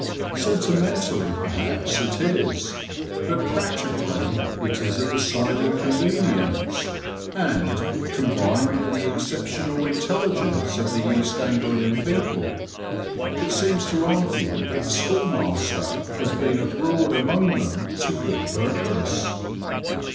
Sentimentally, perhaps, it is; but practically it is a decided convenience and, combined with the exceptional intelligence of the East Anglian people, it seems to argue that the schoolmaster has been abroad among them to good purpose.